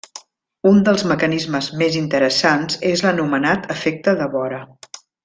Un dels mecanismes més interessants és l'anomenat efecte de vora.